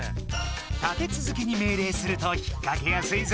立て続けに命令するとひっかけやすいぞ！